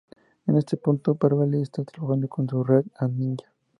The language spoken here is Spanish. En este punto, Beverly está trabajando como rent-a-ninja.